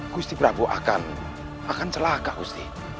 gusti prabowo akan akan celaka gusti